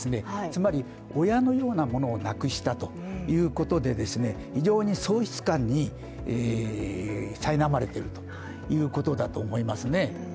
つまり、親のようなものを亡くしたということで、非常に喪失感にさいなまれているというところだと思いますね。